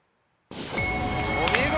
お見事！